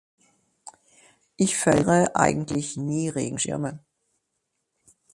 Ich feure eigentlich nie Regenschirme.